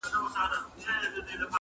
حافظه يې ژوندۍ ساتي تل,